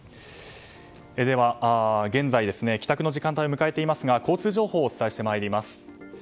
では、現在帰宅の時間帯を迎えていますが交通情報をお伝えしてまいります。